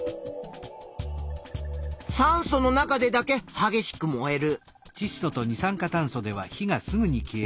酸素の中でだけはげしく燃える。